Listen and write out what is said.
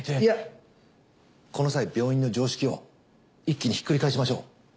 いやこの際病院の常識を一気にひっくり返しましょう。